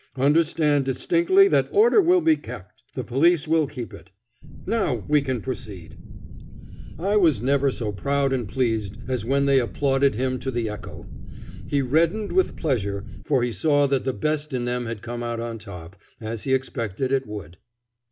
Understand distinctly that order will be kept. The police will keep it. Now we can proceed." I was never so proud and pleased as when they applauded him to the echo. He reddened with pleasure, for he saw that the best in them had come out on top, as he expected it would.